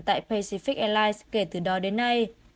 tại pacific airlines kể từ đó đến nay